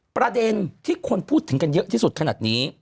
ประเด็นที่คนพูดถึงกันเยอะที่สุดขนาดนี้